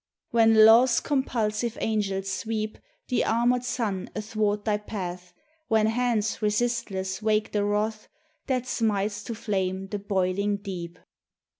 When Law's compulsive angels sweep The armored sun athwart thy path; When hands resistless wake the wrath That smites to flame the boiling Deep